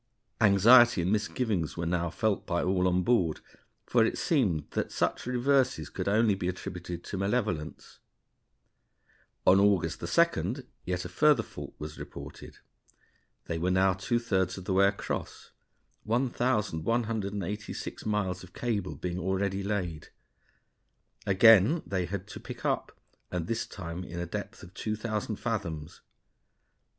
Anxiety and misgivings were now felt by all on board, for it seemed that such reverses could only be attributed to malevolence. On August 2d yet a further fault was reported; they were now two thirds of the way across, 1,186 miles of cable being already laid. Again they had to pick up, and this time in a depth of 2,000 fathoms.